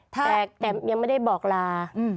แต่ยังไม่ได้บอกลา